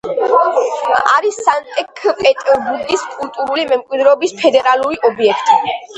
არის სანქტ-პეტერბურგის კულტურული მემკვიდრეობის ფედერალური ობიექტი.